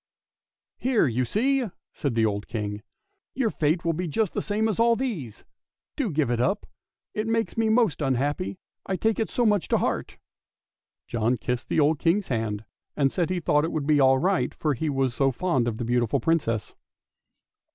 " Here you see," said the old King, " your fate~will be r just the same as all these. Do give it up. It makes me most un happy, I take it so much to heart." John kissed the old King's hand and said he thought it would be all right for he was so fond of the beautiful Princess.